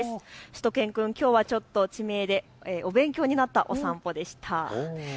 しゅと犬くん、きょうはちょっと地名でを勉強になったお散歩でした。